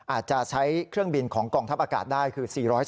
อาจจะใช้เครื่องบินของกองทัพอากาศได้คือ๔๕